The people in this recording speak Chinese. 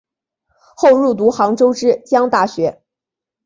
后入读杭州之江大学。